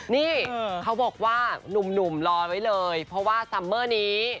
นี่เขาบอกว่าหนุ่มรอไว้เลยเพราะว่าซัมเมอร์นี้